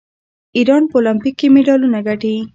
ایران په المپیک کې مډالونه ګټي.